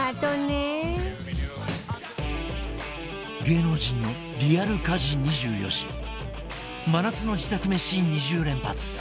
芸能人のリアル家事２４時真夏の自宅めし２０連発！